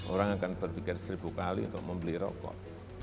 orang akan berpikir seribu kali untuk membeli rokok